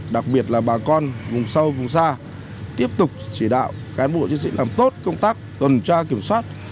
đặc biệt là bà con vùng sâu vùng xa tiếp tục chỉ đạo cán bộ chiến sĩ làm tốt công tác tuần tra kiểm soát